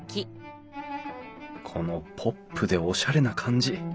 このポップでおしゃれな感じ